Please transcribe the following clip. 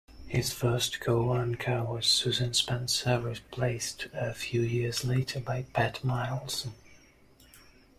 His first co-anchor was Susan Spencer, replaced a few years later by Pat Miles.